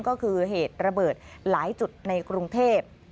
ก็คือเหตุระเบิดหลายจุดในกรุงเทพ